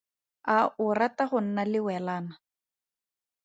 A o rata go nna lewelana?